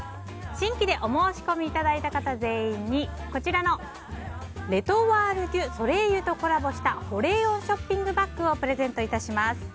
新規でお申し込みいただいた方全員に、こちらのレ・トワール・デュ・ソレイユとコラボした保冷温ショッピングバッグをプレゼント致します。